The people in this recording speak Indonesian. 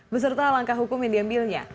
beserta langkah hukum yang diambilnya